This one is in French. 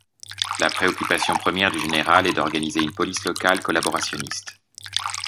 La préoccupation première du général est d'organiser une police locale collaborationniste.